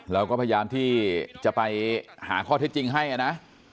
เราก็พยายามที่จะไปหาข้อเท็จจริงให้นะ